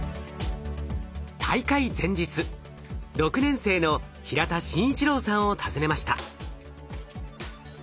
大会前日６年生の平田眞一郎さんを訪ねました。